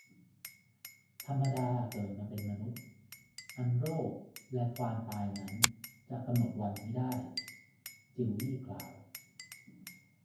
ธรรมดาเกิดมาเป็นมนุษย์ อันโรคแลความตายนั้นจะกำหนดวันมิได้ จิวยี่กล่าว